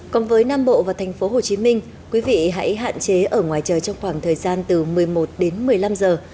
còn với nam bộ và thành phố hồ chí minh quý vị hãy hạn chế ở ngoài trời trong khoảng thời gian từ một mươi một đến một mươi năm giờ